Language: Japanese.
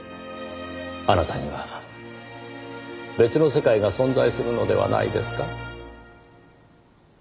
あなたには別の世界が存在するのではないですか？